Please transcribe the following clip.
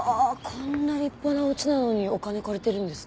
こんな立派な家なのにお金借りてるんですね。